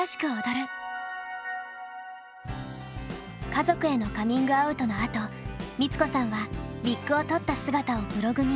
家族へのカミングアウトのあと光子さんはウィッグを取った姿をブログに掲載。